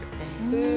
へえ！